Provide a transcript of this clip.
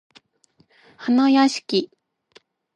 はなやしき